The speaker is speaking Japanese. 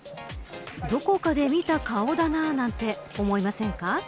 どこかで見た顔だななんて思いませんか。